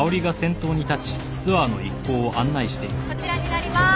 こちらになりまーす。